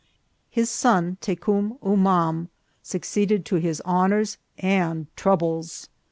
His son Tecum Umam succeeded to his honours and troubles.